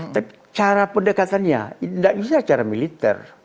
tapi cara pendekatannya tidak bisa secara militer